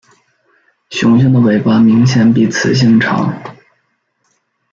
雄性的尾巴明显比雌性长。